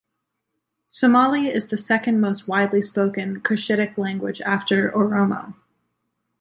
Somali is the second most widely spoken Cushitic language after Oromo.